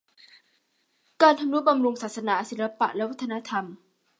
การทำนุบำรุงศาสนา ศิลปะและวัฒนธรรม